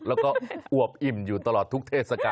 แล้วก็อวบอิ่มอยู่ตลอดทุกเทศกาล